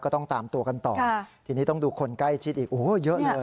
ต้องตามตัวกันต่อทีนี้ต้องดูคนใกล้ชิดอีกโอ้โหเยอะเลย